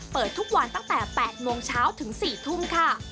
เปิดทุกวันตั้งแต่๘โมงเช้าถึง๔ทุ่มค่ะ